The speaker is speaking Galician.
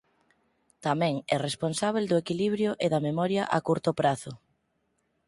Tamén é responsábel do equilibrio e da memoria a curto prazo.